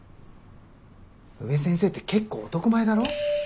宇部先生って結構男前だろ。